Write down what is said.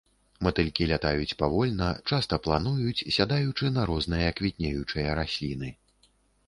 Матылькі лятаюць павольна, часта плануюць, сядаючы на розныя квітнеючыя расліны.